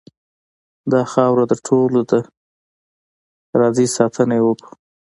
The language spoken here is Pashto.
داخاوره دټولو ډ ه ده راځئ ساتنه یې وکړو .